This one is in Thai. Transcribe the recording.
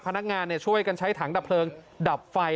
พนักงานช่วยกันใช้ถังดับเพลิงดับไฟ